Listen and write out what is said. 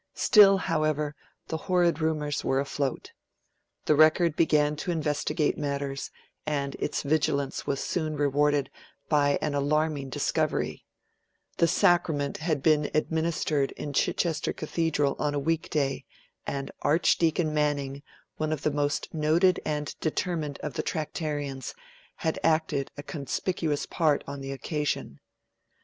Still, however, the horrid rumours were afloat. The "Record" began to investigate matters, and its vigilance was soon rewarded by an alarming discovery: the sacrament had been administered in Chichester Cathedral on a weekday, and 'Archdeacon Manning, one of the most noted and determined of the Tractarians, had acted a conspicuous part on the occasion'.